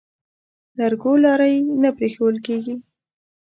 لرګو لارۍ نه پرېښوول کېږي.